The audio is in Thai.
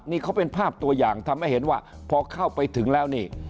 นี่เขาเป็นภาพตัวอย่างทำให้เห็นว่าพอเข้าไปถึงแล้วนี่